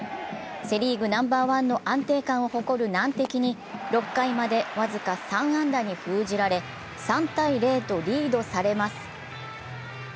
セ・リーグナンバーワンの安定感を誇る難敵に６回まで僅か３安打に封じられ３−０とリードされます。